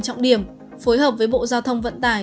trọng điểm phối hợp với bộ giao thông vận tải